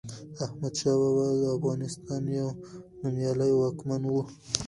احمد شاه بابا دافغانستان يو نوميالي واکمن وه